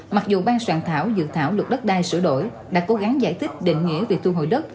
mặc dù ban soạn thảo dự thảo luật đất đai sửa đổi đã cố gắng giải thích định nghĩa về thu hồi đất